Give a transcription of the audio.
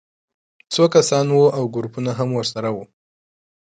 څو کسان وو او ګروپونه هم ورسره وو